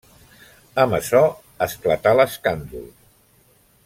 Amb açò, esclatà l'escàndol.